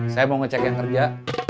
saya mau ngecek yang kerja